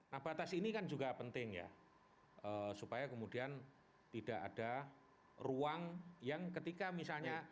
nah batas ini kan juga penting ya supaya kemudian tidak ada ruang yang ketika misalnya